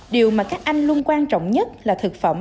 điều mà các anh luôn quan trọng nhất là thực phẩm